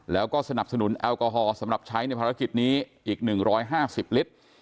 แล้วก็สนับสนุนแอลกอฮอล์สำหรับใช้ในภารกิจนี้อีก๑๕๐ลิตร